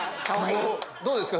どうですか？